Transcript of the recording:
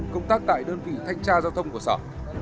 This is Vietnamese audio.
công tác tại đơn vị thanh tra giao thông của sở